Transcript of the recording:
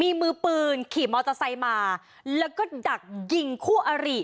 มีมือปืนขี่มอเตอร์ไซค์มาแล้วก็ดักยิงคู่อริ